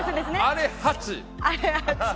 あれ８？